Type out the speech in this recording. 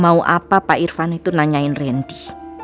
mau apa pak irfan itu nanyain randy